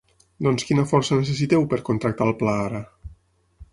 Doncs quina força necessiteu per contractar el pla ara?